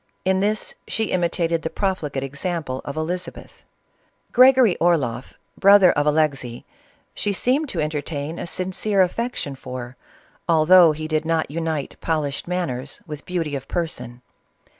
In this she imitated the profligate example of Elizabeth. Gregory Orloff, brother of Alexey, she seemed to entertain a sincere affection for, although he did not unite polished manners with beauty of person.